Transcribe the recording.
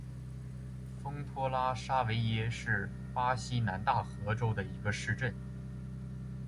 丰托拉沙维耶是巴西南大河州的一个市镇。